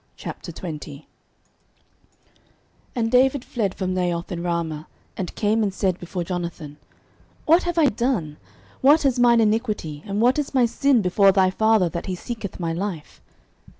09:020:001 And David fled from Naioth in Ramah, and came and said before Jonathan, What have I done? what is mine iniquity? and what is my sin before thy father, that he seeketh my life?